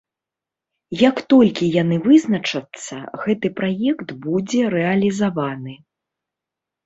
Як толькі яны вызначацца, гэты праект будзе рэалізаваны.